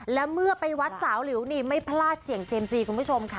และเมื่อไปวัดสาวหลิวนี่ไม่พลาดเสี่ยงเซ็มซีคุณผู้ชมค่ะ